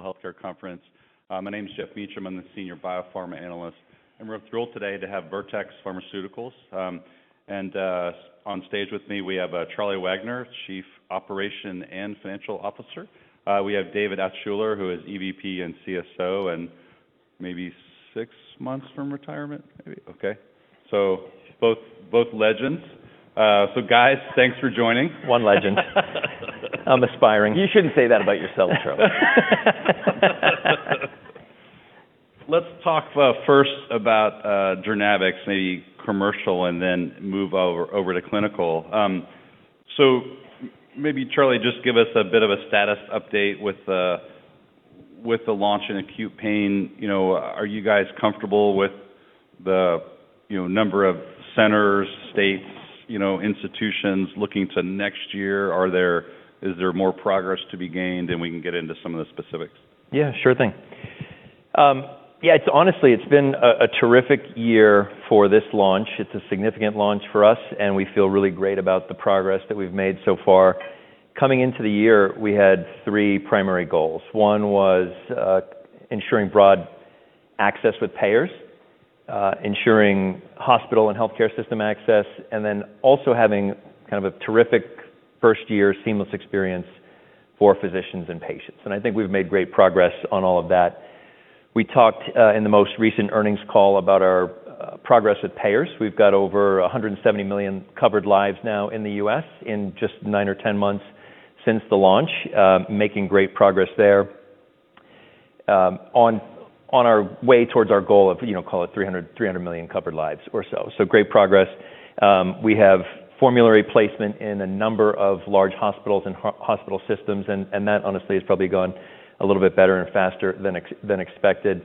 Global Healthcare Conference. My name's Jeff Meacham. I'm the Senior Biopharma Analyst. We're thrilled today to have Vertex Pharmaceuticals, and on stage with me we have Charlie Wagner, Chief Operations and Financial Officer. We have David Altshuler, who is EVP and CSO, and maybe six months from retirement, maybe. Okay. Both legends. Guys, thanks for joining. One legend. I'm aspiring. You shouldn't say that about yourself, Charles. Let's talk first about therapeutics, maybe commercial, and then move over to clinical, so maybe, Charlie, just give us a bit of a status update with the launch in acute pain. You know, are you guys comfortable with the, you know, number of centers, states, you know, institutions looking to next year? Is there more progress to be gained, and we can get into some of the specifics. Yeah, sure thing. Yeah, it's honestly, it's been a terrific year for this launch. It's a significant launch for us, and we feel really great about the progress that we've made so far. Coming into the year, we had three primary goals. One was ensuring broad access with payers, ensuring hospital and healthcare system access, and then also having kind of a terrific first-year seamless experience for physicians and patients. And I think we've made great progress on all of that. We talked in the most recent earnings call about our progress with payers. We've got over 170 million covered lives now in the U.S. in just 9 months or 10 months since the launch, making great progress there. On our way towards our goal of, you know, call it 300 million covered lives or so. So great progress. We have formulary placement in a number of large hospitals and hospital systems, and that honestly has probably gone a little bit better and faster than expected.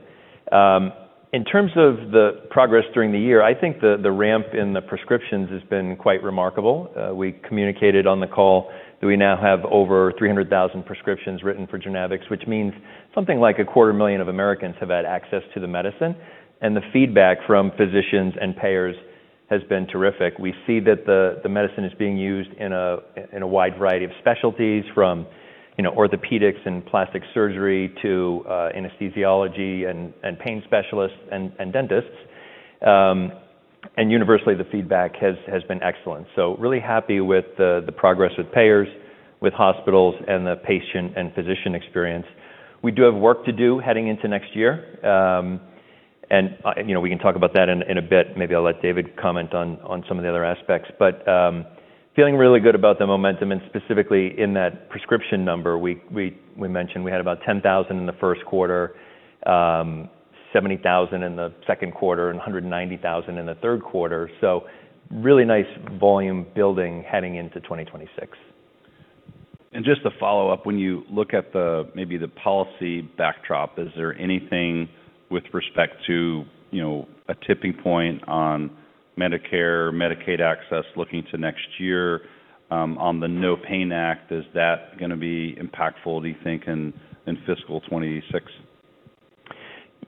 In terms of the progress during the year, I think the ramp in the prescriptions has been quite remarkable. We communicated on the call that we now have over 300,000 prescriptions written for generics, which means something like 250,000 of Americans have had access to the medicine. And the feedback from physicians and payers has been terrific. We see that the medicine is being used in a wide variety of specialties, from you know orthopedics and plastic surgery to anesthesiology and pain specialists and dentists, and universally the feedback has been excellent. So really happy with the progress with payers, with hospitals, and the patient and physician experience. We do have work to do heading into next year, and, you know, we can talk about that in a bit. Maybe I'll let David comment on some of the other aspects, but feeling really good about the momentum, and specifically in that prescription number, we mentioned we had about 10,000 in the first quarter, 70,000 in the second quarter, and 190,000 in the third quarter, so really nice volume building heading into 2026. Just to follow up, when you look at the, maybe the policy backdrop, is there anything with respect to, you know, a tipping point on Medicare, Medicaid access looking to next year, on the No Pain Act? Is that gonna be impactful, do you think, in, in fiscal 2026?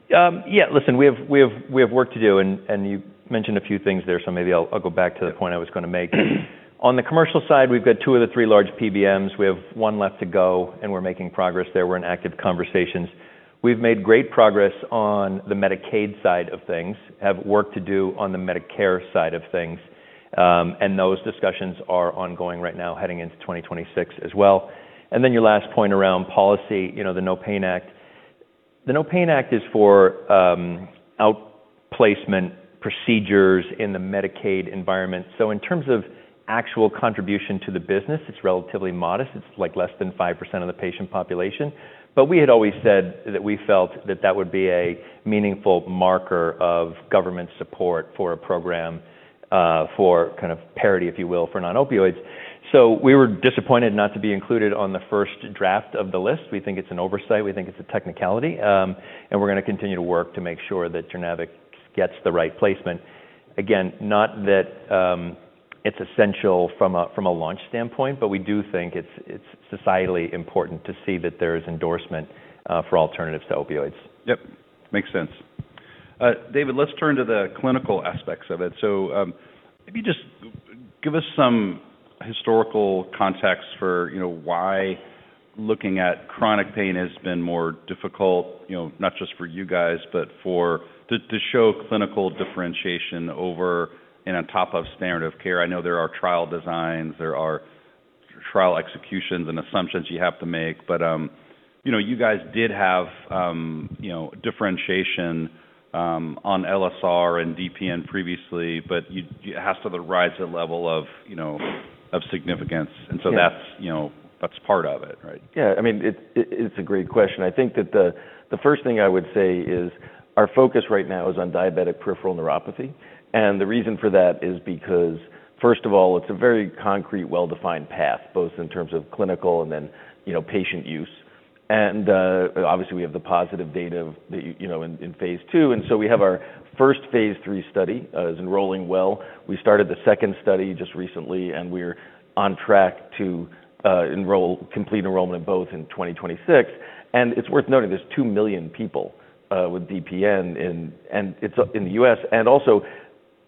Yeah, listen, we have work to do. And you mentioned a few things there, so maybe I'll go back to the point I was gonna make. On the commercial side, we've got two of the three large PBMs. We have one left to go, and we're making progress there. We're in active conversations. We've made great progress on the Medicaid side of things, have work to do on the Medicare side of things. And those discussions are ongoing right now heading into 2026 as well. And then your last point around policy, you know, the No Pain Act. The No Pain Act is for outpatient procedures in the Medicaid environment. So in terms of actual contribution to the business, it's relatively modest. It's like less than 5% of the patient population. But we had always said that we felt that that would be a meaningful marker of government support for a program, for kind of parity, if you will, for non-opioids. So we were disappointed not to be included on the first draft of the list. We think it's an oversight. We think it's a technicality, and we're gonna continue to work to make sure that suzetrigine gets the right placement. Again, not that, it's essential from a launch standpoint, but we do think it's societally important to see that there's endorsement for alternatives to opioids. Yep. Makes sense. David, let's turn to the clinical aspects of it. So, maybe just give us some historical context for, you know, why looking at chronic pain has been more difficult, you know, not just for you guys, but to show clinical differentiation over and on top of standard of care. I know there are trial designs, there are trial executions and assumptions you have to make. But, you know, you guys did have, you know, differentiation, on LSR and DPN previously, but you has to rise to the level of, you know, of significance. And so that's, you know, that's part of it, right? Yeah. I mean, it's, it's a great question. I think that the, the first thing I would say is our focus right now is on diabetic peripheral neuropathy. And the reason for that is because, first of all, it's a very concrete, well-defined path, both in terms of clinical and then, you know, patient use. And, obviously, we have the positive data that you, you know, in, in Phase two. And so we have our first Phase three study, is enrolling well. We started the second study just recently, and we're on track to, enroll complete enrollment in both in 2026. And it's worth noting there's 2 million people, with DPN in, and it's in the U.S. And also,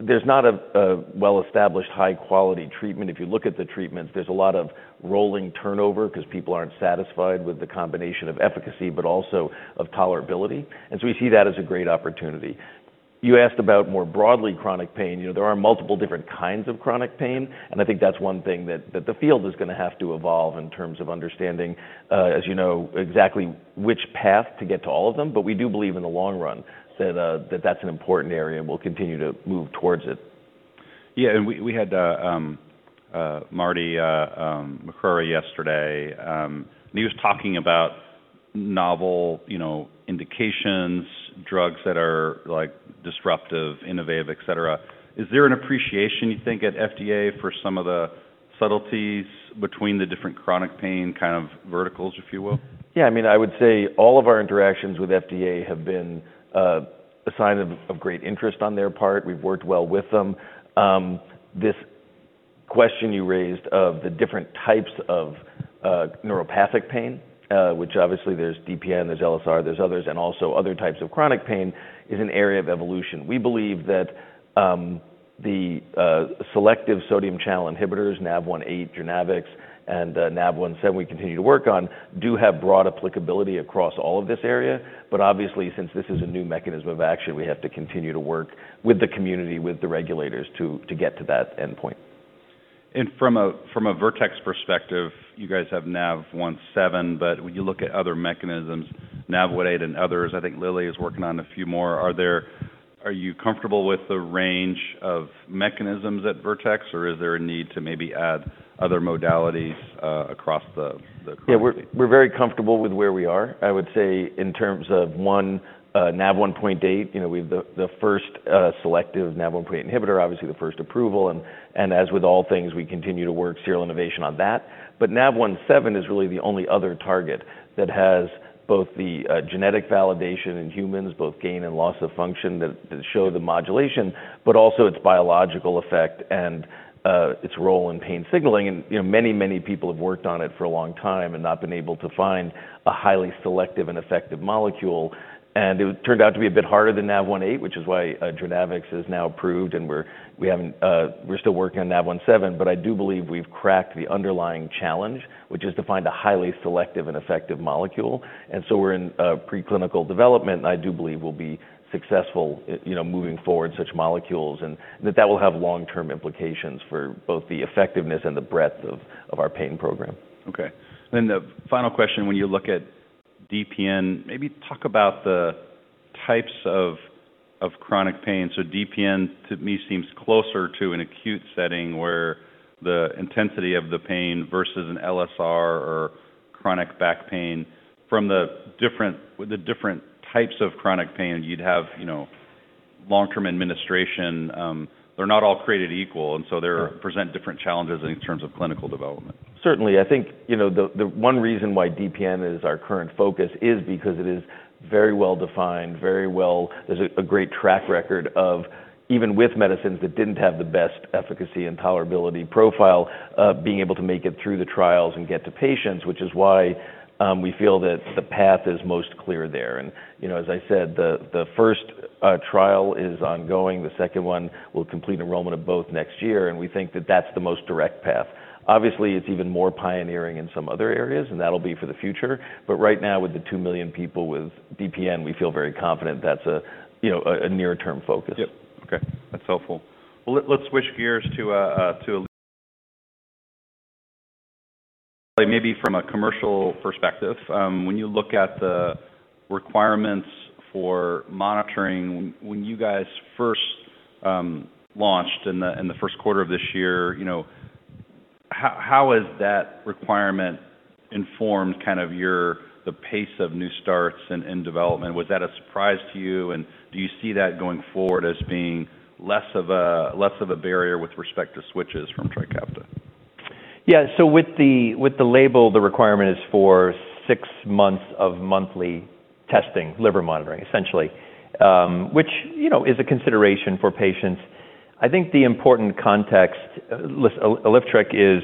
there's not a, a well-established high-quality treatment. If you look at the treatments, there's a lot of rolling turnover 'cause people aren't satisfied with the combination of efficacy, but also of tolerability. And so we see that as a great opportunity. You asked about more broadly chronic pain. You know, there are multiple different kinds of chronic pain. And I think that's one thing that the field is gonna have to evolve in terms of understanding, as you know, exactly which path to get to all of them. But we do believe in the long run that that's an important area and we'll continue to move towards it. Yeah. And we had Marty Makary yesterday, and he was talking about novel, you know, indications, drugs that are like disruptive, innovative, et cetera. Is there an appreciation, you think, at FDA for some of the subtleties between the different chronic pain kind of verticals, if you will? Yeah. I mean, I would say all of our interactions with FDA have been a sign of great interest on their part. We've worked well with them. This question you raised of the different types of neuropathic pain, which obviously there's DPN, there's LSR, there's others, and also other types of chronic pain is an area of evolution. We believe that the selective sodium channel inhibitors, NaV1.8, suzetrigine, and NaV1.7, we continue to work on do have broad applicability across all of this area. But obviously, since this is a new mechanism of action, we have to continue to work with the community, with the regulators to get to that endpoint. From a Vertex perspective, you guys have NaV1.7, but when you look at other mechanisms, NaV1.8 and others, I think Lilly is working on a few more. Are you comfortable with the range of mechanisms at Vertex, or is there a need to maybe add other modalities across the clinical? Yeah. We're very comfortable with where we are. I would say in terms of one, NaV1.8, you know, we have the first selective NaV1.8 inhibitor, obviously the first approval. And as with all things, we continue to work serial innovation on that. But NaV1.7 is really the only other target that has both the genetic validation in humans, both gain and loss of function that show the modulation, but also its biological effect and its role in pain signaling. And, you know, many people have worked on it for a long time and not been able to find a highly selective and effective molecule. And it turned out to be a bit harder than NaV1.8, which is why suzetrigine is now approved, and we haven't. We're still working on NaV1.7. But I do believe we've cracked the underlying challenge, which is to find a highly selective and effective molecule. And so we're in preclinical development, and I do believe we'll be successful, you know, moving forward such molecules and that will have long-term implications for both the effectiveness and the breadth of our pain program. Okay. Then the final question, when you look at DPN, maybe talk about the types of chronic pain. So DPN to me seems closer to an acute setting where the intensity of the pain versus an LSR or chronic back pain. From the different types of chronic pain, you'd have, you know, long-term administration. They're not all created equal, and so they present different challenges in terms of clinical development. Certainly. I think, you know, the one reason why DPN is our current focus is because it is very well-defined. There's a great track record of even with medicines that didn't have the best efficacy and tolerability profile, being able to make it through the trials and get to patients, which is why we feel that the path is most clear there. And, you know, as I said, the first trial is ongoing. The second one will complete enrollment of both next year. And we think that that's the most direct path. Obviously, it's even more pioneering in some other areas, and that'll be for the future. But right now, with the 2 million people with DPN, we feel very confident that's a, you know, a near-term focus. Yep. Okay. That's helpful. Well, let's switch gears to maybe from a commercial perspective. When you look at the requirements for monitoring, when you guys first launched in the first quarter of this year, you know, how has that requirement informed kind of your the pace of new starts and development? Was that a surprise to you? And do you see that going forward as being less of a barrier with respect to switches from TRIKAFTA? Yeah. So with the label, the requirement is for six months of monthly testing, liver monitoring essentially, which, you know, is a consideration for patients. I think the important context, alyftrek is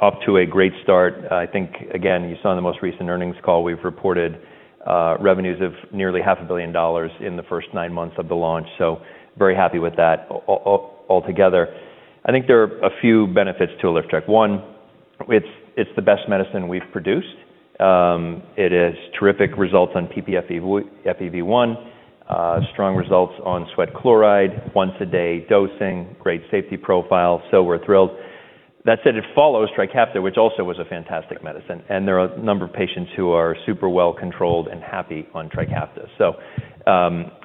up to a great start. I think, again, you saw in the most recent earnings call, we've reported revenues of nearly $500 million in the first nine months of the launch. So very happy with that all together. I think there are a few benefits to Alyftrek. One, it's the best medicine we've produced. It has terrific results on ppFEV1, FEV1, strong results on sweat chloride, once-a-day dosing, great safety profile. So we're thrilled. That said, it follows TRIKAFTA, which also was a fantastic medicine. And there are a number of patients who are super well-controlled and happy on TRIKAFTA. So,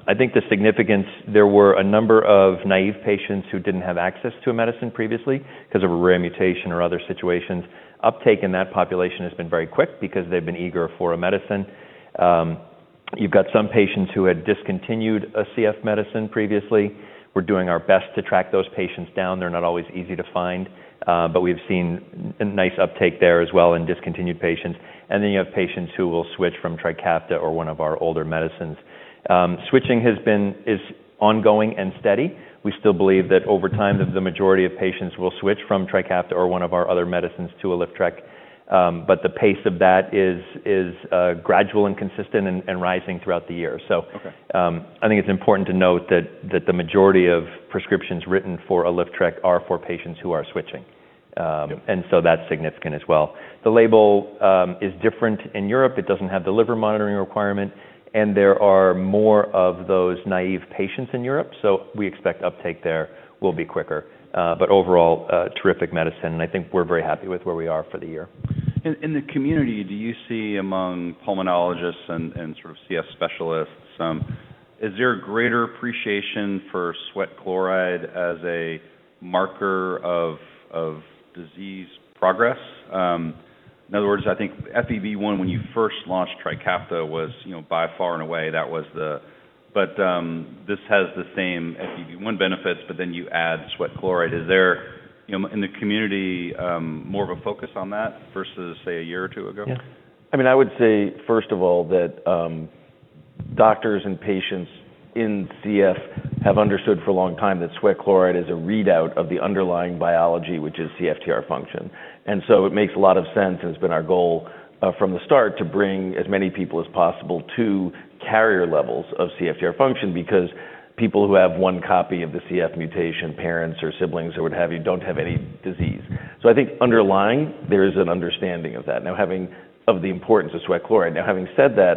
I think the significance, there were a number of naive patients who didn't have access to a medicine previously 'cause of a rare mutation or other situations. Uptake in that population has been very quick because they've been eager for a medicine. You've got some patients who had discontinued a CF medicine previously. We're doing our best to track those patients down. They're not always easy to find, but we've seen a nice uptake there as well in discontinued patients. And then you have patients who will switch from TRIKAFTA or one of our older medicines. Switching has been ongoing and steady. We still believe that over time, the majority of patients will switch from TRIKAFTA or one of our older medicines to Alyftrek. But the pace of that is gradual and consistent and rising throughout the year. So, I think it's important to note that the majority of prescriptions written for Alyftrek are for patients who are switching, and so that's significant as well. The label is different in Europe. It doesn't have the liver monitoring requirement, and there are more of those naive patients in Europe. So we expect uptake there will be quicker, but overall, terrific medicine. And I think we're very happy with where we are for the year. In the community, do you see among pulmonologists and sort of CF specialists is there a greater appreciation for sweat chloride as a marker of disease progress? In other words, I think FEV1, when you first launched TRIKAFTA, was, you know, by far and away, that was the, but this has the same FEV1 benefits, but then you add sweat chloride. Is there, you know, in the community, more of a focus on that versus say a year or two ago? Yeah. I mean, I would say, first of all, that doctors and patients in CF have understood for a long time that sweat chloride is a readout of the underlying biology, which is CFTR function. And so it makes a lot of sense, and it's been our goal, from the start to bring as many people as possible to carrier levels of CFTR function because people who have one copy of the CF mutation, parents or siblings or what have you, don't have any disease. So I think underlying there is an understanding of that, now having of the importance of sweat chloride. Now, having said that,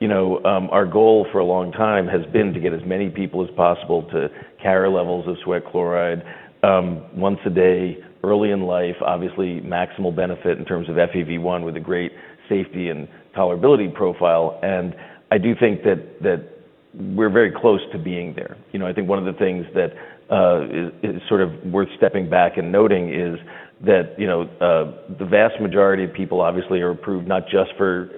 you know, our goal for a long time has been to get as many people as possible to carrier levels of sweat chloride, once a day, early in life, obviously maximal benefit in terms of FEV1 with a great safety and tolerability profile. I do think that we're very close to being there. You know, I think one of the things that is sort of worth stepping back and noting is that, you know, the vast majority of people obviously are approved not just for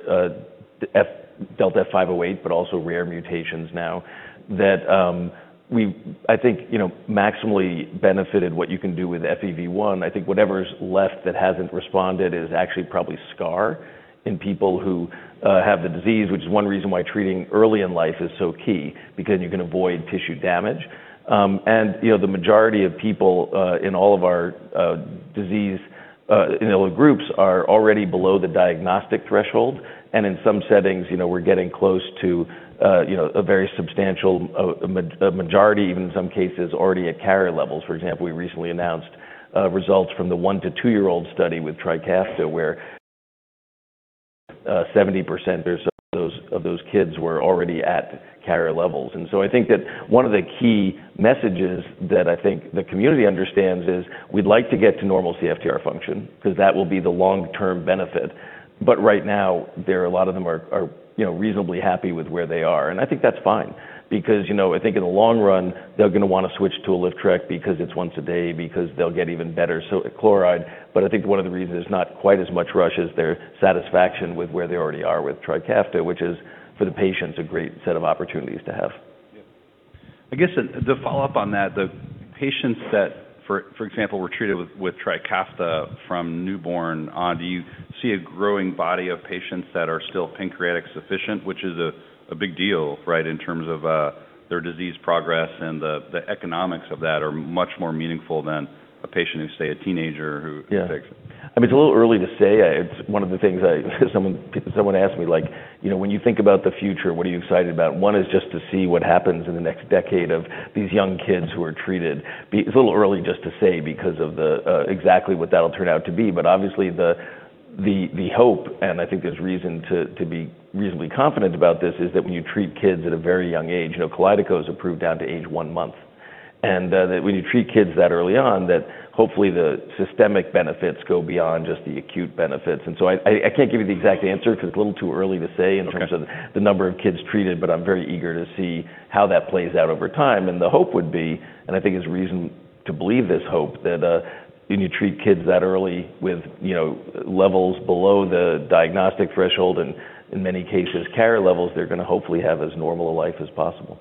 F508del, but also rare mutations now, that we, I think, you know, maximally benefited what you can do with FEV1. I think whatever's left that hasn't responded is actually probably scarring in people who have the disease, which is one reason why treating early in life is so key because you can avoid tissue damage. You know, the majority of people in all of our disease, in all the groups are already below the diagnostic threshold. In some settings, you know, we're getting close to a very substantial majority, even in some cases, already at carrier levels. For example, we recently announced results from the one- to two-year-old study with TRIKAFTA where 70% or so of those kids were already at carrier levels. And so I think that one of the key messages that I think the community understands is we'd like to get to normal CFTR function 'cause that will be the long-term benefit. But right now, there are a lot of them are, you know, reasonably happy with where they are. And I think that's fine because, you know, I think in the long run, they're gonna wanna switch to Alyftrek because it's once a day, because they'll get even better chloride. But I think one of the reasons it's not quite as much rush is their satisfaction with where they already are with TRIKAFTA, which is for the patients a great set of opportunities to have. Yeah. I guess the follow-up on that, the patients that, for example, were treated with TRIKAFTA from newborn on, do you see a growing body of patients that are still pancreatic sufficient, which is a big deal, right, in terms of their disease progress and the economics of that are much more meaningful than a patient who, say, a teenager who takes it? Yeah. I mean, it's a little early to say. It's one of the things I, someone, someone asked me, like, you know, when you think about the future, what are you excited about? One is just to see what happens in the next decade of these young kids who are treated. It's a little early just to say because of the exactly what that'll turn out to be. But obviously the hope, and I think there's reason to be reasonably confident about this is that when you treat kids at a very young age, you know, KALYDECO is approved down to age one month. And that when you treat kids that early on, that hopefully the systemic benefits go beyond just the acute benefits. And so I can't give you the exact answer because it's a little too early to say in terms of the number of kids treated, but I'm very eager to see how that plays out over time. And the hope would be, and I think it's reason to believe this hope that, when you treat kids that early with, you know, levels below the diagnostic threshold and in many cases carrier levels, they're gonna hopefully have as normal a life as possible.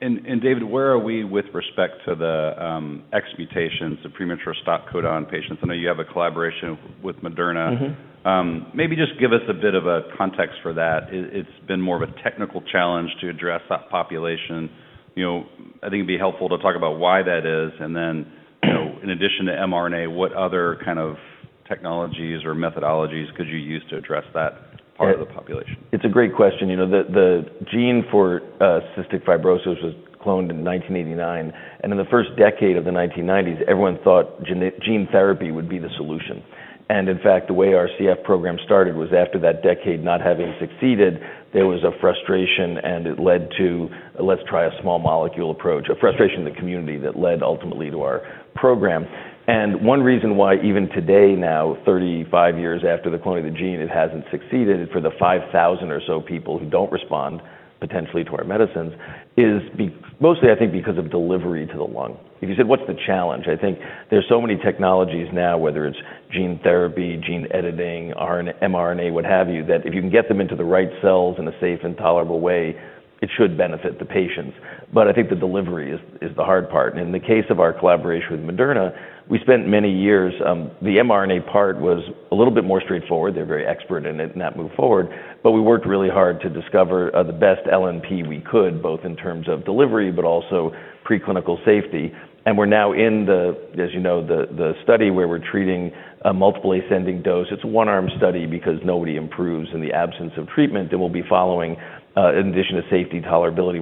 David, where are we with respect to the nonsense mutations, the premature stop codon patients? I know you have a collaboration with Moderna. Maybe just give us a bit of a context for that. It's been more of a technical challenge to address that population. You know, I think it'd be helpful to talk about why that is. And then, you know, in addition to mRNA, what other kind of technologies or methodologies could you use to address that part of the population? It's a great question. You know, the gene for cystic fibrosis was cloned in 1989. And in the first decade of the 1990s, everyone thought gene therapy would be the solution. And in fact, the way our CF program started was after that decade not having succeeded, there was a frustration, and it led to, let's try a small molecule approach, a frustration in the community that led ultimately to our program. And one reason why even today, now, 35 years after the cloning of the gene, it hasn't succeeded for the 5,000 or so people who don't respond potentially to our medicines is mostly, I think, because of delivery to the lung. If you said, what's the challenge? I think there's so many technologies now, whether it's gene therapy, gene editing, RNA, mRNA, what have you, that if you can get them into the right cells in a safe and tolerable way, it should benefit the patients. But I think the delivery is the hard part. And in the case of our collaboration with Moderna, we spent many years, the mRNA part was a little bit more straightforward. They're very expert in it and that moved forward. But we worked really hard to discover the best LNP we could, both in terms of delivery, but also preclinical safety. And we're now in the, as you know, study where we're treating a multiple ascending dose. It's a one-arm study because nobody improves in the absence of treatment. We'll be following, in addition to safety, tolerability,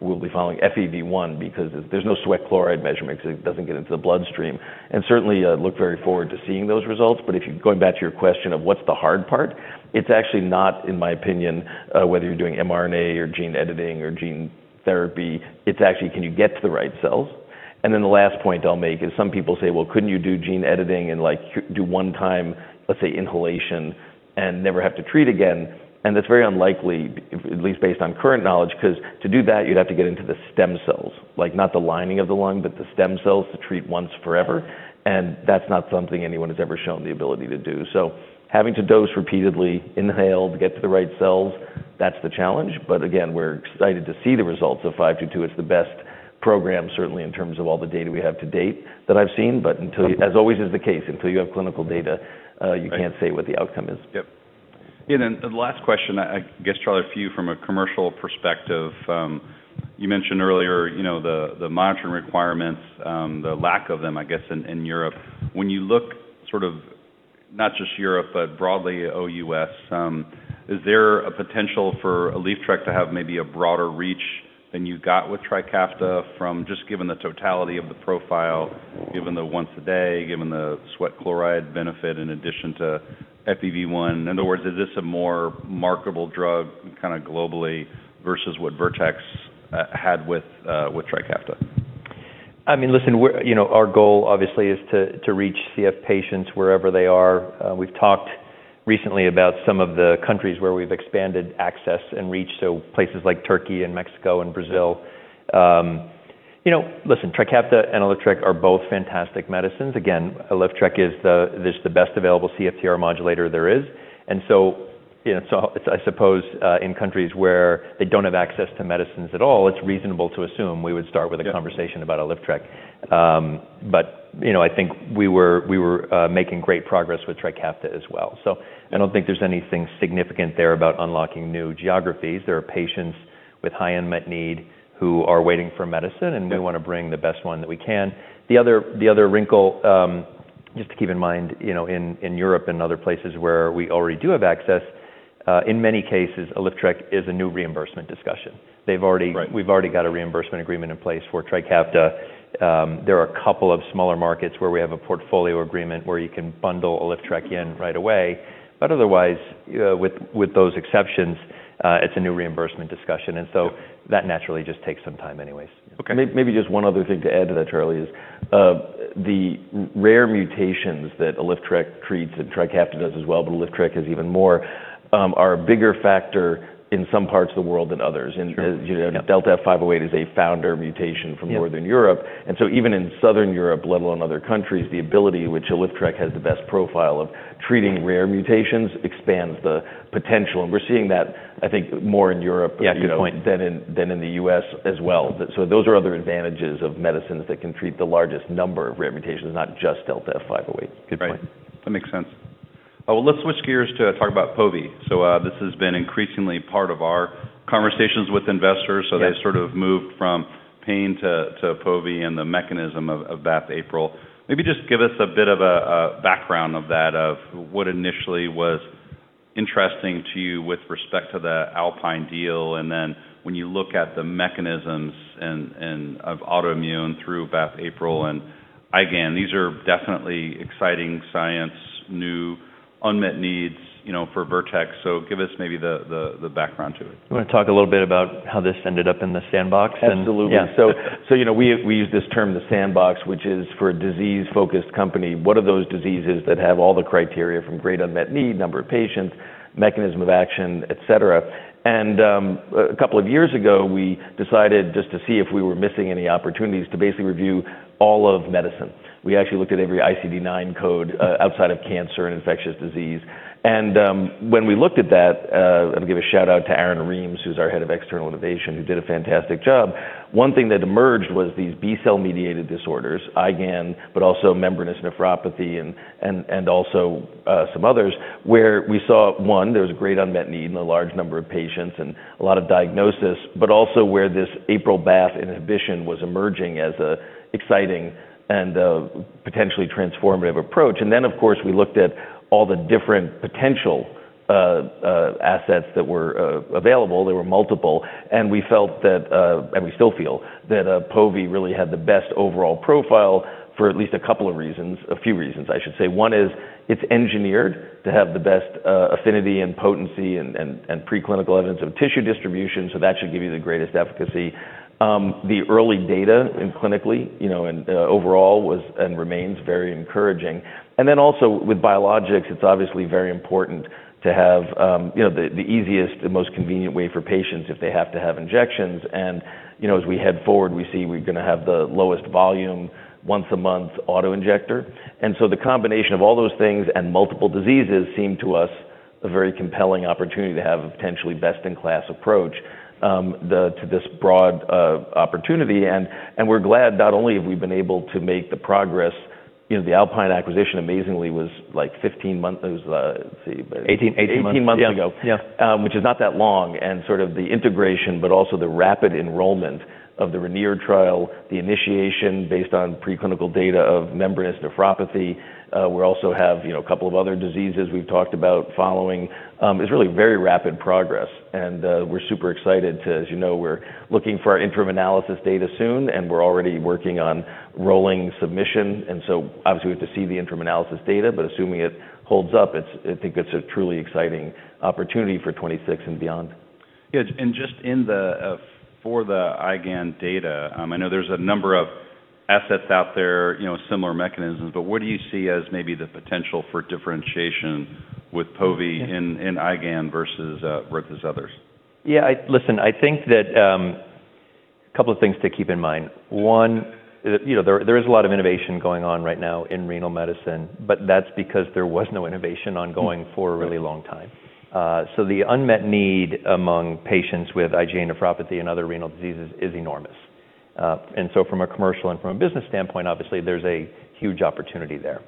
FEV1 because there's no sweat chloride measurement 'cause it doesn't get into the bloodstream. Certainly, we look very forward to seeing those results. But if you're going back to your question of what's the hard part, it's actually not, in my opinion, whether you're doing mRNA or gene editing or gene therapy, it's actually, can you get to the right cells? Then the last point I'll make is some people say, well, couldn't you do gene editing and like do one time, let's say, inhalation and never have to treat again? And that's very unlikely, at least based on current knowledge, 'cause to do that, you'd have to get into the stem cells, like not the lining of the lung, but the stem cells to treat once forever. And that's not something anyone has ever shown the ability to do. So having to dose repeatedly, inhale, get to the right cells, that's the challenge. But again, we're excited to see the results of 522. It's the best program, certainly in terms of all the data we have to date that I've seen. But until you, as always is the case, until you have clinical data, you can't say what the outcome is. Yep. Yeah. Then the last question, I guess, Charlie, a few from a commercial perspective. You mentioned earlier, you know, the monitoring requirements, the lack of them, I guess, in Europe. When you look sort of not just Europe, but broadly OUS, is there a potential for Alyftrek to have maybe a broader reach than you got with TRIKAFTA just given the totality of the profile, given the once a day, given the sweat chloride benefit in addition to FEV1? In other words, is this a more marketable drug kind of globally versus what Vertex had with TRIKAFTA? I mean, listen, we're, you know, our goal obviously is to reach CF patients wherever they are. We've talked recently about some of the countries where we've expanded access and reach, so places like Turkey and Mexico and Brazil. You know, listen, TRIKAFTA and Alyftrek are both fantastic medicines. Again, Alyftrek is the best available CFTR modulator there is. And so, you know, so it's, I suppose, in countries where they don't have access to medicines at all, it's reasonable to assume we would start with a conversation about Alyftrek, but, you know, I think we were making great progress with TRIKAFTA as well, so I don't think there's anything significant there about unlocking new geographies. There are patients with high unmet need who are waiting for medicine, and we wanna bring the best one that we can. The other wrinkle, just to keep in mind, you know, in Europe and other places where we already do have access, in many cases, Alyftrek is a new reimbursement discussion. They've already. We've already got a reimbursement agreement in place for TRIKAFTA. There are a couple of smaller markets where we have a portfolio agreement where you can bundle Alyftrek in right away. But otherwise, with, with those exceptions, it's a new reimbursement discussion. And so that naturally just takes some time anyways. Maybe, maybe just one other thing to add to that, Charlie, is the rare mutations that Alyftrek treats and TRIKAFTA does as well, but Alyftrek has even more, are a bigger factor in some parts of the world than others, and you know, Delta F508 is a founder mutation from Northern Europe, and so even in Southern Europe, let alone other countries, the ability which Alyftrek has the best profile of treating rare mutations expands the potential, and we're seeing that, I think, more in Europe. Yeah. Good point. You know, than in the U.S. as well, so those are other advantages of medicines that can treat the largest number of rare mutations, not just Delta F508. Good point. That makes sense. Well, let's switch gears to talk about POVI. So, this has been increasingly part of our conversations with investors. So they've sort of moved from pain to, to POVI and the mechanism of, of BAFF/APRIL. Maybe just give us a bit of a, a background of that, of what initially was interesting to you with respect to the Alpine deal. And then when you look at the mechanisms and, and of autoimmune through BAFF/APRIL and IgAN, these are definitely exciting science, new unmet needs, you know, for Vertex. So give us maybe the, the, the background to it. I wanna talk a little bit about how this ended up in the sandbox. Absolutely. Yeah. So, you know, we use this term the sandbox, which is for a disease-focused company. What are those diseases that have all the criteria from great unmet need, number of patients, mechanism of action, et cetera? And, a couple of years ago, we decided just to see if we were missing any opportunities to basically review all of medicine. We actually looked at every ICD-9 code, outside of cancer and infectious disease. And, when we looked at that, I'll give a shout out to Aaron Reames, who's our head of external innovation, who did a fantastic job. One thing that emerged was these B-cell mediated disorders, IgAN, but also membranous nephropathy and also some others where we saw one, there was a great unmet need and a large number of patients and a lot of diagnosis, but also where this APRIL/BAFF inhibition was emerging as an exciting and potentially transformative approach. Then, of course, we looked at all the different potential assets that were available. There were multiple. And we felt that, and we still feel that, POVItacicept really had the best overall profile for at least a couple of reasons, a few reasons, I should say. One is it's engineered to have the best affinity and potency and preclinical evidence of tissue distribution. So that should give you the greatest efficacy. The early data clinically, you know, overall was and remains very encouraging. And then also with biologics, it's obviously very important to have, you know, the easiest, the most convenient way for patients if they have to have injections. You know, as we head forward, we see we're gonna have the lowest volume once a month auto injector. So the combination of all those things and multiple diseases seemed to us a very compelling opportunity to have a potentially best-in-class approach to this broad opportunity. And we're glad not only have we been able to make the progress. You know, the Alpine acquisition amazingly was like 15 months. It was, let's see. 18 months ago. 18 months ago. Yeah. Which is not that long. And sort of the integration, but also the rapid enrollment of the RAINIER trial, the initiation based on preclinical data of membranous nephropathy. We also have, you know, a couple of other diseases we've talked about following. It's really very rapid progress. And, we're super excited to, as you know, we're looking for our interim analysis data soon, and we're already working on rolling submission. And so obviously we have to see the interim analysis data, but assuming it holds up, it's, I think it's a truly exciting opportunity for 2026 and beyond. Yeah. And just in the, for the IgAN data, I know there's a number of assets out there, you know, similar mechanisms, but what do you see as maybe the potential for differentiation with POVI in, in IgAN versus, Vertex others? Yeah. Listen, I think that a couple of things to keep in mind. One, you know, there is a lot of innovation going on right now in renal medicine, but that's because there was no innovation ongoing for a really long time, so the unmet need among patients with IgA nephropathy and other renal diseases is enormous, and so from a commercial and from a business standpoint, obviously there's a huge opportunity there.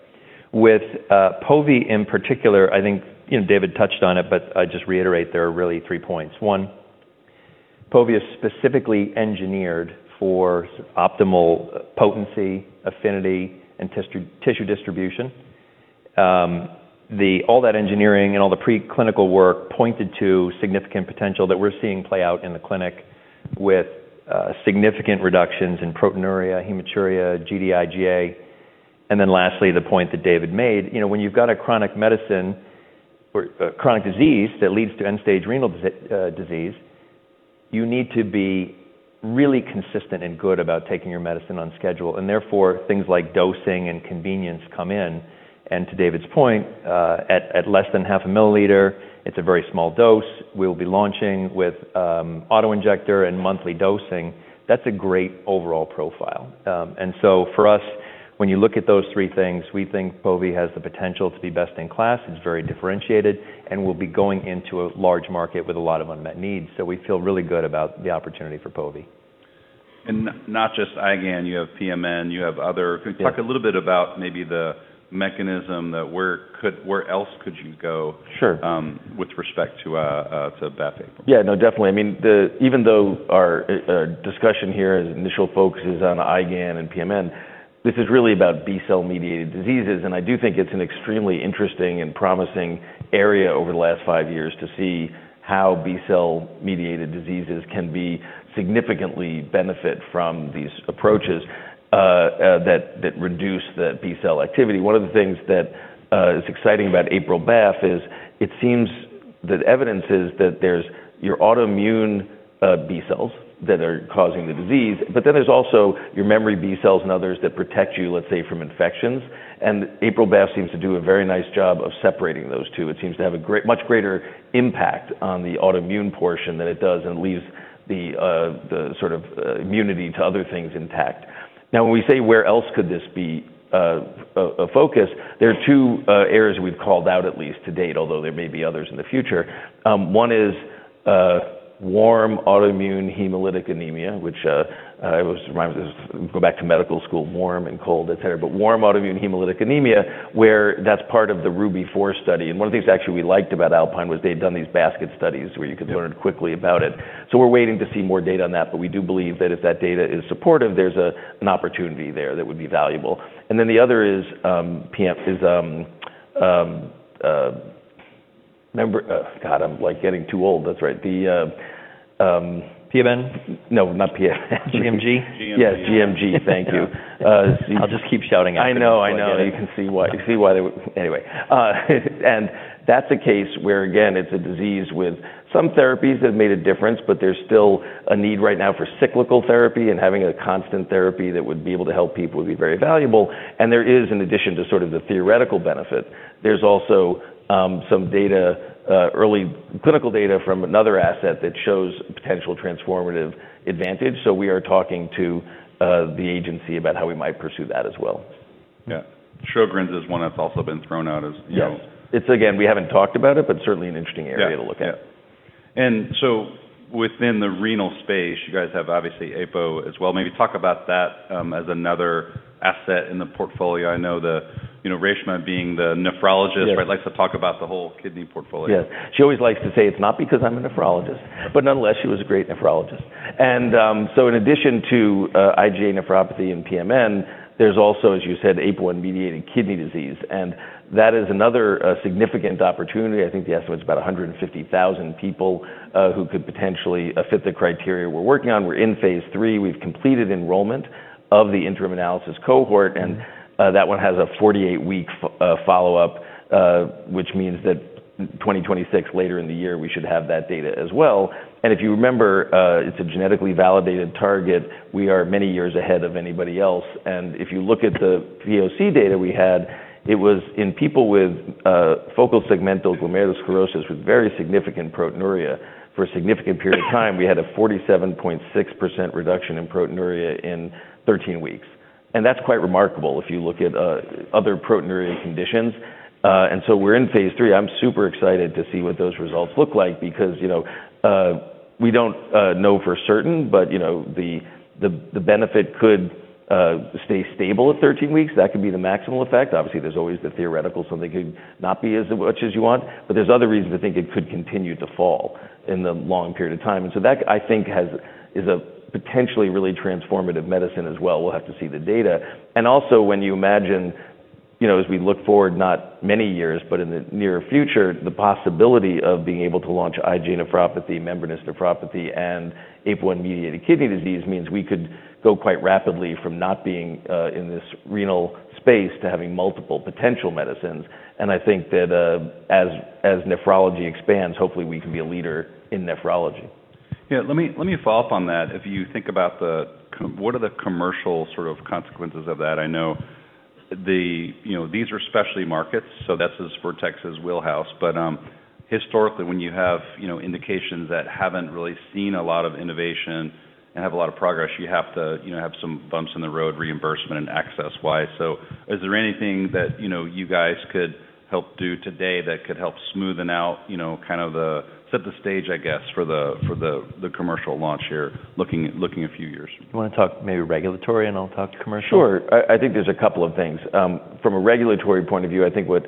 With POVI in particular, I think, you know, David touched on it, but I just reiterate, there are really three points. One, POVI is specifically engineered for optimal potency, affinity, and tissue distribution. All that engineering and all the preclinical work pointed to significant potential that we're seeing play out in the clinic with significant reductions in proteinuria, hematuria, GD-IGA1. And then lastly, the point that David made, you know, when you've got a chronic medicine or chronic disease that leads to end-stage renal disease, you need to be really consistent and good about taking your medicine on schedule. And therefore, things like dosing and convenience come in. And to David's point, at less than half a milliliter, it's a very small dose. We'll be launching with auto injector and monthly dosing. That's a great overall profile. And so for us, when you look at those three things, we think POVI has the potential to be best in class. It's very differentiated, and we'll be going into a large market with a lot of unmet needs. So we feel really good about the opportunity for POVI. And not just IgAN, you have PMN, you have other. Yeah. Can you talk a little bit about maybe the mechanism that where else could you go? Sure. With respect to BAFF/APRIL? Yeah. No, definitely. I mean, even though our discussion here is initial focus is on IgAN and PMN, this is really about B-cell mediated diseases. And I do think it's an extremely interesting and promising area over the last five years to see how B-cell mediated diseases can be significantly benefit from these approaches, that reduce the B-cell activity. One of the things that is exciting about BAFF/APRIL is it seems that evidence is that there's your autoimmune B-cells that are causing the disease, but then there's also your memory B-cells and others that protect you, let's say, from infections. And BAFF/APRIL seems to do a very nice job of separating those two. It seems to have a great much greater impact on the autoimmune portion than it does, and it leaves the sort of immunity to other things intact. Now, when we say where else could this be a focus, there are two areas we've called out at least to date, although there may be others in the future. One is warm autoimmune hemolytic anemia, which reminds us to go back to medical school, warm and cold, et cetera. But warm autoimmune hemolytic anemia, where that's part of the Ruby Four study. And one of the things actually we liked about Alpine was they'd done these basket studies where you could learn quickly about it. So we're waiting to see more data on that, but we do believe that if that data is supportive, there's an opportunity there that would be valuable. And then the other is PMN, remember, God, I'm like getting too old. That's right. The PMN? No, not PMN. GMG. GMG. Yeah. GMG. Thank you. I'll just keep shouting out. I know. I know. You can see why they anyway. And that's a case where, again, it's a disease with some therapies that have made a difference, but there's still a need right now for cyclical therapy and having a constant therapy that would be able to help people would be very valuable. And there is, in addition to sort of the theoretical benefit, there's also some data, early clinical data from another asset that shows potential transformative advantage. So we are talking to the agency about how we might pursue that as well. Yeah. Sjögren's is one that's also been thrown out as, you know. Yes. It's, again, we haven't talked about it, but certainly an interesting area to look at. Yeah. And so within the renal space, you guys have obviously APOL1 as well. Maybe talk about that, as another asset in the portfolio. I know, you know, Reshma being the nephrologist. Yeah. Right. Likes to talk about the whole kidney portfolio. Yeah. She always likes to say, "It's not because I'm a nephrologist," but nonetheless, she was a great nephrologist. And so in addition to IgA nephropathy and PMN, there's also, as you said, APOL1-mediated kidney disease. And that is another significant opportunity. I think the estimate's about 150,000 people who could potentially fit the criteria we're working on. We're in Phase 3. We've completed enrollment of the interim analysis cohort. And that one has a 48-week follow-up, which means that 2026, later in the year, we should have that data as well. And if you remember, it's a genetically validated target. We are many years ahead of anybody else. And if you look at the VOC data we had, it was in people with focal segmental glomerulosclerosis with very significant proteinuria for a significant period of time. We had a 47.6% reduction in proteinuria in 13 weeks. And that's quite remarkable if you look at other proteinuria conditions. And so we're in Phase 3. I'm super excited to see what those results look like because, you know, we don't know for certain, but, you know, the benefit could stay stable at 13 weeks. That could be the maximal effect. Obviously, there's always the theoretical, so they could not be as much as you want, but there's other reasons to think it could continue to fall in the long period of time. And so that, I think, is a potentially really transformative medicine as well. We'll have to see the data. Also when you imagine, you know, as we look forward, not many years, but in the near future, the possibility of being able to launch IgA nephropathy, membranous nephropathy, and APOL1-mediated kidney disease means we could go quite rapidly from not being, in this renal space to having multiple potential medicines. I think that, as nephrology expands, hopefully we can be a leader in nephrology. Yeah. Let me follow up on that. If you think about the, what are the commercial sort of consequences of that? I know, you know, these are specialty markets. So that's as Vertex as it gets. But, historically, when you have, you know, indications that haven't really seen a lot of innovation and have a lot of patients, you have to, you know, have some bumps in the road, reimbursement and access wise. So is there anything that, you know, you guys could help do today that could help smoothen out, you know, kind of set the stage, I guess, for the commercial launch here looking a few years? You wanna talk maybe regulatory and I'll talk commercial? Sure. I think there's a couple of things. From a regulatory point of view, I think what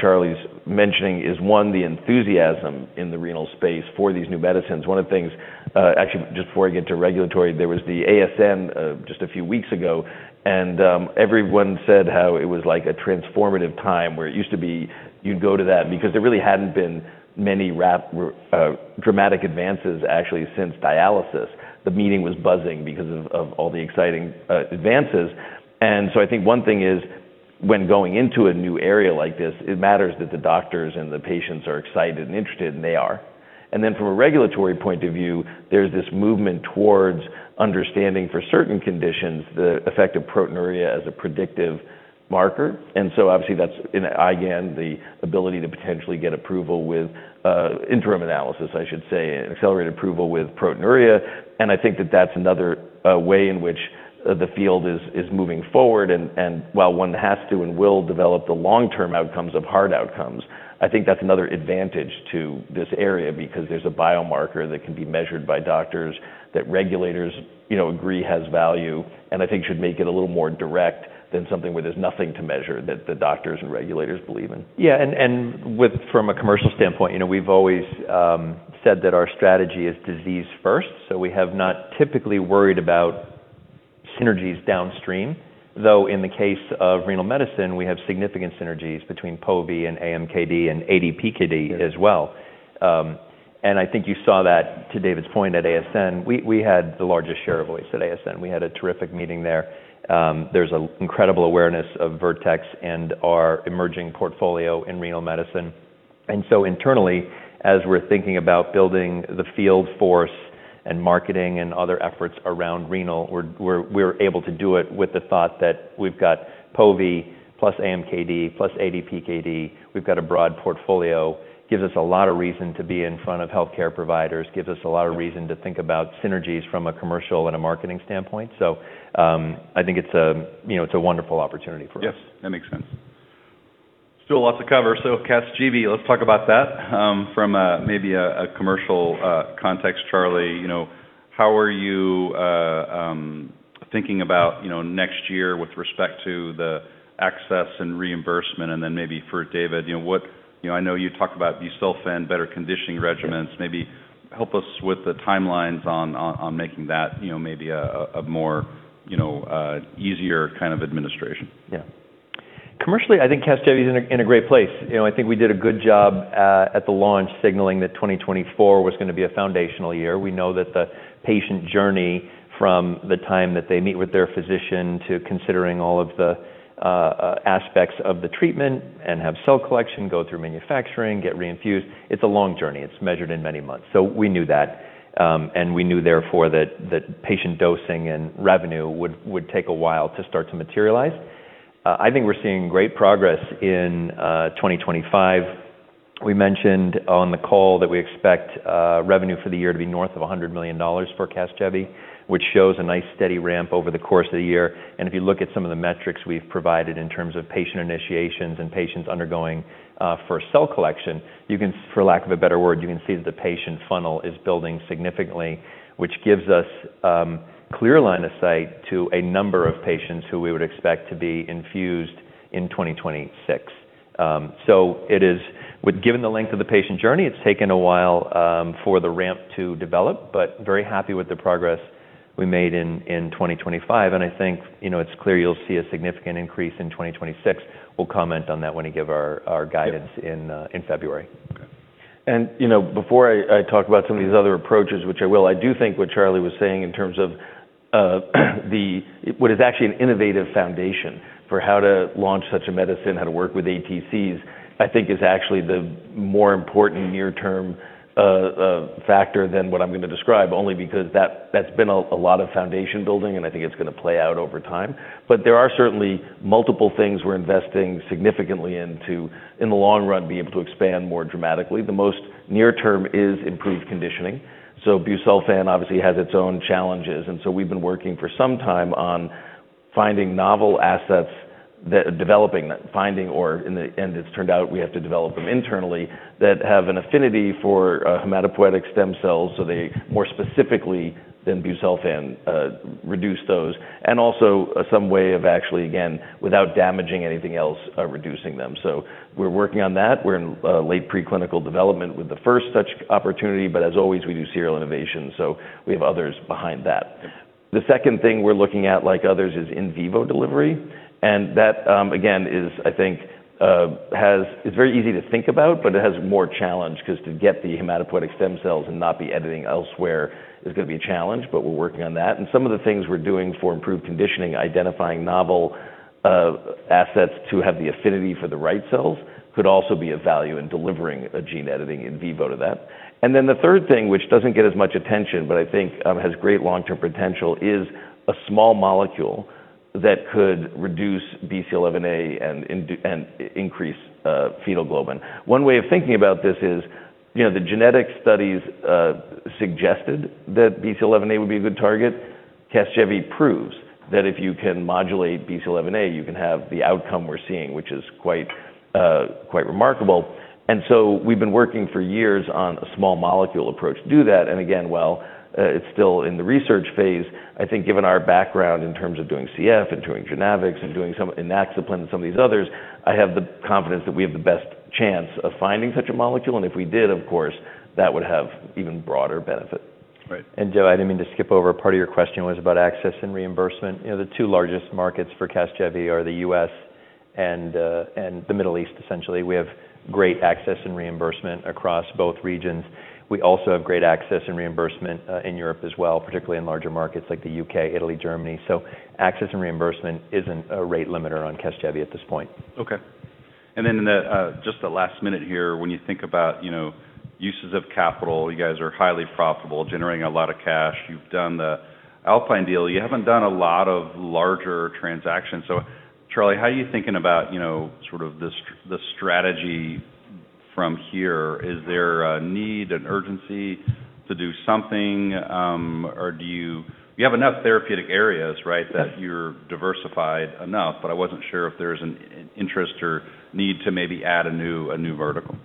Charlie's mentioning is one, the enthusiasm in the renal space for these new medicines. One of the things, actually just before I get to regulatory, there was the ASN, just a few weeks ago, and everyone said how it was like a transformative time where it used to be you'd go to that because there really hadn't been many dramatic advances actually since dialysis. The meeting was buzzing because of all the exciting advances, and so I think one thing is when going into a new area like this, it matters that the doctors and the patients are excited and interested, and they are, and then from a regulatory point of view, there's this movement towards understanding for certain conditions the effect of proteinuria as a predictive marker. And so obviously that's in IgAN, the ability to potentially get approval with interim analysis, I should say, and accelerated approval with proteinuria. And I think that's another way in which the field is moving forward. And while one has to and will develop the long-term outcomes of hard outcomes, I think that's another advantage to this area because there's a biomarker that can be measured by doctors that regulators, you know, agree has value. And I think should make it a little more direct than something where there's nothing to measure that the doctors and regulators believe in. Yeah. And from a commercial standpoint, you know, we've always said that our strategy is disease first. So we have not typically worried about synergies downstream, though in the case of renal medicine, we have significant synergies between POVI and AMKD and ADPKD as well. I think you saw that, to David's point, at ASN. We had the largest share of voice at ASN. We had a terrific meeting there. There's an incredible awareness of Vertex and our emerging portfolio in renal medicine. So internally, as we're thinking about building the field force and marketing and other efforts around renal, we're able to do it with the thought that we've got POVI plus AMKD plus ADPKD. We've got a broad portfolio. It gives us a lot of reason to be in front of healthcare providers. It gives us a lot of reason to think about synergies from a commercial and a marketing standpoint. So, I think it's a, you know, it's a wonderful opportunity for us. Yes. That makes sense. Still lots of cover. So Casgevy, let's talk about that from maybe a commercial context, Charlie, you know, how are you thinking about, you know, next year with respect to the access and reimbursement? And then maybe for David, you know, what, you know, I know you talked about you're still finding better conditioning regimens. Maybe help us with the timelines on making that, you know, maybe a more, you know, easier kind of administration. Yeah. Commercially, I think Casgevy's in a great place. You know, I think we did a good job at the launch signaling that 2024 was gonna be a foundational year. We know that the patient journey from the time that they meet with their physician to considering all of the aspects of the treatment and have cell collection, go through manufacturing, get reinfused, it's a long journey. It's measured in many months. So we knew that, and we knew therefore that patient dosing and revenue would take a while to start to materialize. I think we're seeing great progress in 2025. We mentioned on the call that we expect revenue for the year to be north of $100 million for Casgevy, which shows a nice steady ramp over the course of the year. And if you look at some of the metrics we've provided in terms of patient initiations and patients undergoing for cell collection, you can, for lack of a better word, see that the patient funnel is building significantly, which gives us clear line of sight to a number of patients who we would expect to be infused in 2026, so it is, given the length of the patient journey; it's taken a while for the ramp to develop, but very happy with the progress we made in 2025. And I think, you know, it's clear you'll see a significant increase in 2026. We'll comment on that when we give our guidance in February. Okay. And, you know, before I talk about some of these other approaches, which I will, I do think what Charlie was saying in terms of the what is actually an innovative foundation for how to launch such a medicine, how to work with ATCs, I think is actually the more important near-term factor than what I'm gonna describe, only because that that's been a lot of foundation building, and I think it's gonna play out over time. But there are certainly multiple things we're investing significantly into, in the long run, be able to expand more dramatically. The most near-term is improved conditioning. So Busulfan obviously has its own challenges. And so we've been working for some time on finding novel assets that are developing, finding, or in the end, it's turned out we have to develop them internally that have an affinity for hematopoietic stem cells. So they more specifically than Busulfan reduce those and also some way of actually, again, without damaging anything else, reducing them. We're working on that. We're in late preclinical development with the first such opportunity, but as always, we do serial innovation. So we have others behind that. The second thing we're looking at, like others, is in vivo delivery. And that, again, is very easy to think about, but it has more challenge 'cause to get the hematopoietic stem cells and not be editing elsewhere is gonna be a challenge, but we're working on that. And some of the things we're doing for improved conditioning, identifying novel assets to have the affinity for the right cells could also be of value in delivering a gene editing in vivo to that. And then the third thing, which doesn't get as much attention, but I think has great long-term potential, is a small molecule that could reduce BCL11A and induce and increase fetal hemoglobin. One way of thinking about this is, you know, the genetic studies suggested that BCL11A would be a good target. Casgevy proves that if you can modulate BCL11A, you can have the outcome we're seeing, which is quite, quite remarkable. And so we've been working for years on a small molecule approach to do that. And again, while it's still in the research Phase, I think given our background in terms of doing CF and doing genetics and doing some Inaxaplin and some of these others, I have the confidence that we have the best chance of finding such a molecule. And if we did, of course, that would have even broader benefit. Right. And Joe, I didn't mean to skip over. Part of your question was about access and reimbursement. You know, the two largest markets for Casgevy are the U.S. and the Middle East, essentially. We have great access and reimbursement across both regions. We also have great access and reimbursement in Europe as well, particularly in larger markets like the U.K., Italy, Germany. So access and reimbursement isn't a rate limiter on Casgevy at this point. Okay. And then in just the last minute here, when you think about, you know, uses of capital, you guys are highly profitable, generating a lot of cash. You've done the Alpine deal. You haven't done a lot of larger transactions. So Charlie, how are you thinking about, you know, sort of this, the strategy from here? Is there a need, an urgency to do something, or do you have enough therapeutic areas, right, that you're diversified enough, but I wasn't sure if there's an interest or need to maybe add a new vertical?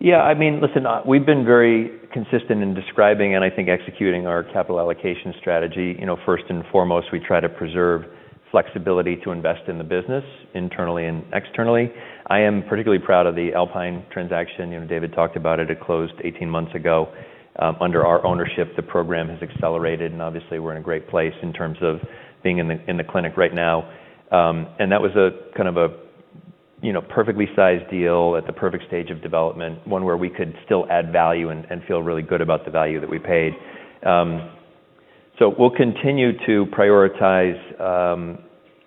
Yeah. I mean, listen, we've been very consistent in describing and I think executing our capital allocation strategy. You know, first and foremost, we try to preserve flexibility to invest in the business internally and externally. I am particularly proud of the Alpine transaction. You know, David talked about it. It closed 18 months ago, under our ownership. The program has accelerated, and obviously we're in a great place in terms of being in the clinic right now. And that was a kind of a, you know, perfectly sized deal at the perfect stage of development, one where we could still add value and feel really good about the value that we paid. So we'll continue to prioritize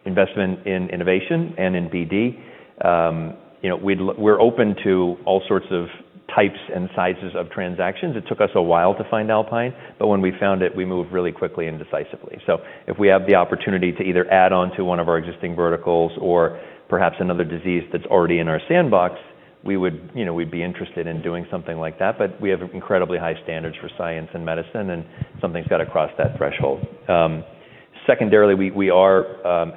investment in innovation and in BD. You know, we're open to all sorts of types and sizes of transactions. It took us a while to find Alpine, but when we found it, we moved really quickly and decisively. So if we have the opportunity to either add on to one of our existing verticals or perhaps another disease that's already in our sandbox, we would, you know, we'd be interested in doing something like that. But we have incredibly high standards for science and medicine, and something's gotta cross that threshold. Secondarily, we are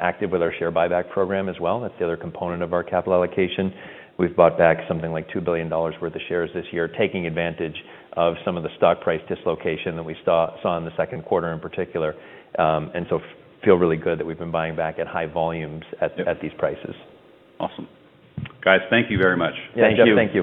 active with our share buyback program as well. That's the other component of our capital allocation. We've bought back something like $2 billion worth of shares this year, taking advantage of some of the stock price dislocation that we saw in the second quarter in particular, and so feel really good that we've been buying back at high volumes at these prices. Awesome. Guys, thank you very much. Thank you.